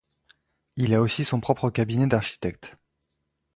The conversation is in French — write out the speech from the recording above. Il a aussi son propre cabinet d'architecte.